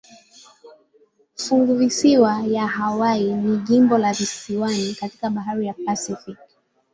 Funguvisiwa ya Hawaii ni jimbo la visiwani katika bahari ya Pasifiki.